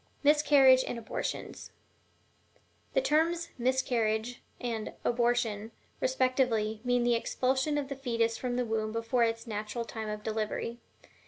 MISCARRIAGE AND ABORTIONS. The terms "miscarriage," and "abortion," respectively, mean the expulsion of the fetus from the womb before its natural time of delivery.